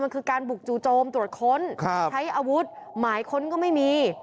มันคือการบุกจู่โจมตรวจค้นใช้อาวุธหมายค้นก็ไม่มี